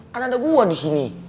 kan ada gue disini